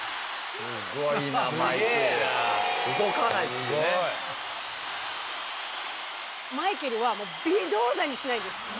すごい！マイケルは微動だにしないです。